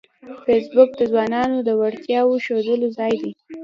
فېسبوک د ځوانانو د وړتیاوو ښودلو ځای دی